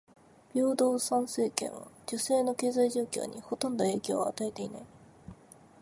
平等参政権は女性の経済状況にほとんど影響を与えていない。